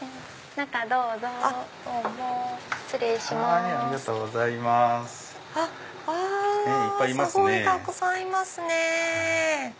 あすごいたくさんいますね。